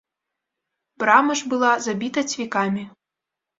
Брама ж была забіта цвікамі.